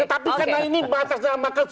tetapi karena ini batas dalam makasih